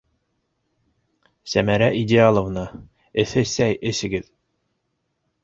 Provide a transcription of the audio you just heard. Сәмәрә Идеаловна, эҫе сәй әсегеҙ!